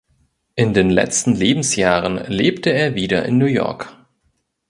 In den letzten Lebensjahren lebte er wieder in New York.